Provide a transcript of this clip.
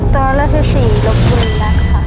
ตัวเลือกที่๔ลกบุรีรัดค่ะ